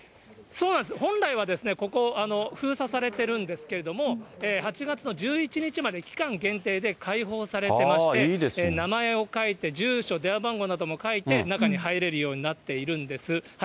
本来ならここ、封鎖されてるんですけれども、８月の１１日まで期間限定で開放されてまして、名前を書いて、住所、電話番号などを書いて、中に入れるようになっているんです。